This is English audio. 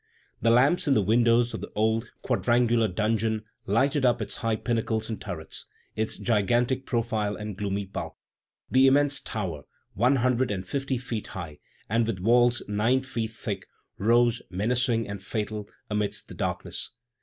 The lamps in the windows of the old quadrangular dungeon lighted up its high pinnacles and turrets, its gigantic profile and gloomy bulk. The immense tower, one hundred and fifty feet high, and with walls nine feet thick, rose, menacing and fatal, amidst the darkness.